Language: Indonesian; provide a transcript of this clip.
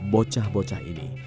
bocah bocah ini bermain